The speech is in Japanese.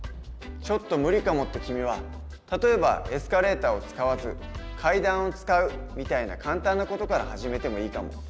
「ちょっと無理かも」って君は例えばエスカレーターを使わず階段を使うみたいな簡単な事から始めてもいいかも。